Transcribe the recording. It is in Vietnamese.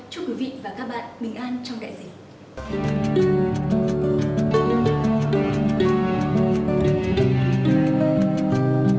chúc quý vị và các bạn bình an trong đại dịch